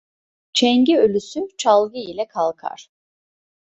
Çengi ölüsü çalgı ile kalkar.